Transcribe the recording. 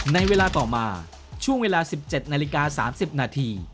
ในเวลาต่อมาช่วงเวลา๑๗นาฬิกา๓๐นาที